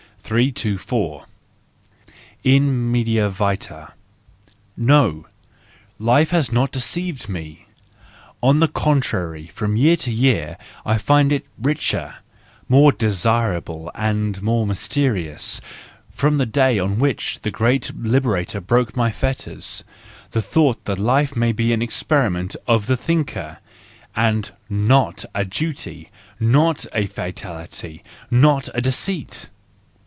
324 In Media Vita. —No! Life has not deceived me! On the contrary, from year to year I find it richer, more desirable and more mysterious—from the day on which the great liberator broke my fetters, the thought that life may be an experiment of the thinker—and not a duty, not a fatality, not a deceit!